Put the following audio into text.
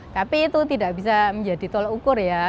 tapi itu tidak bisa menjadi tol ukur ya